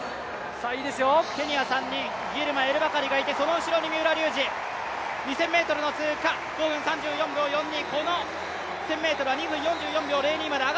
ケニア３人、ギルマ、エルバカリがいてその後ろに三浦龍司、２０００ｍ通過、５分３３秒４２。